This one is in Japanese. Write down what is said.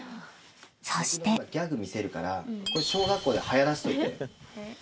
そして僕が今ギャグ見せるからこれ小学校ではやらせといて。